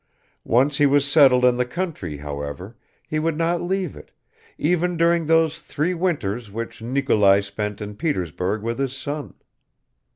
Once he was settled in the country, however, he would not leave it, even during those three winters which Nikolai spent in Petersburg with his son.